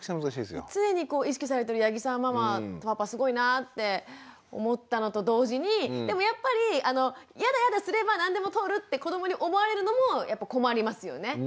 常に意識されてる八木さんママとパパすごいなって思ったのと同時にでもやっぱりヤダヤダすれば何でも通るって子どもに思われるのも困りますよね。ね？